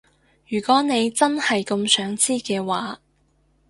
如果你真係咁想知嘅話